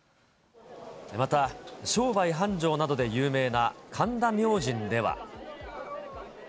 また、商売繁盛などで有名な神田明神では。